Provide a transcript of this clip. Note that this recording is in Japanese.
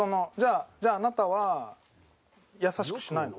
じゃああなたは優しくしないの？